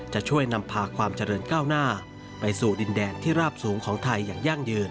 จะช่วยนำพาความเจริญก้าวหน้าไปสู่ดินแดนที่ราบสูงของไทยอย่างยั่งยืน